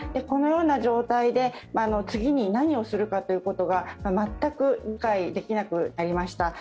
このような状態で次に何をするかということが全く理解できなくなりました。